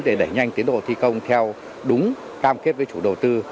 để đẩy nhanh tiến độ thi công theo đúng cam kết với chủ đầu tư